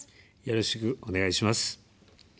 よろしくお願いします。